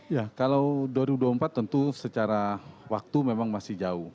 ya kalau dua ribu dua puluh empat tentu secara waktu memang masih jauh